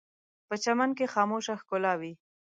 په چمن کې خاموشه ښکلا وي